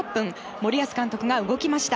森保監督が動きました。